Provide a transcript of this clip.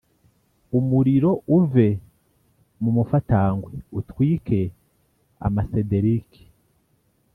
umuriro uve mu mufatangwe utwike amasederiki